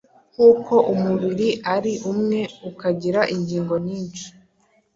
Nk’uko umubiri ari umwe, ukagira ingingo nyinshi,